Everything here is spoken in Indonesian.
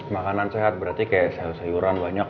makanan sehat berarti kayak sayur sayuran banyak